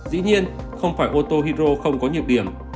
dĩ nhiên không phải ô tô hydro không có nhược điểm